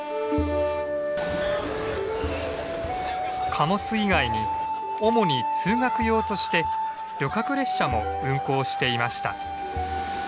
貨物以外に主に通学用として旅客列車も運行していました。